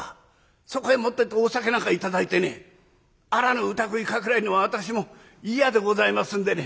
そこへもってお酒なんか頂いてねあらぬ疑いかけられるのは私も嫌でございますんでね」。